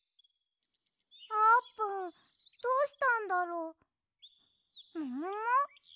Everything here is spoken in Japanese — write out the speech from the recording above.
あーぷんどうしたんだろももも？